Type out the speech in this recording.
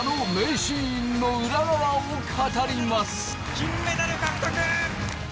金メダル獲得！